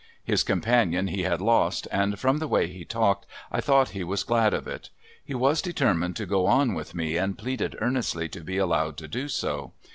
His companion he had lost, and from the way he talked I thought he was glad of it. He was determined to go on with me and pleaded earnestly to be allowed to do so.